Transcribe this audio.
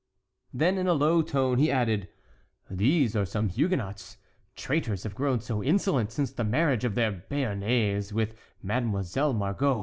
Then in a low tone he added: "These are some Huguenots; traitors have grown so insolent since the marriage of their Béarnais with Mademoiselle Margot!"